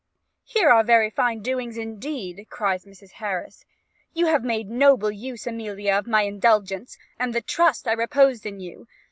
'Here are very fine doings, indeed,' cries Mrs. Harris: 'you have made a noble use, Amelia, of my indulgence, and the trust I reposed in you.